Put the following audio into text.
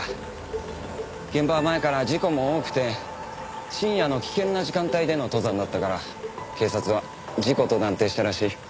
現場は前から事故も多くて深夜の危険な時間帯での登山だったから警察は事故と断定したらしい。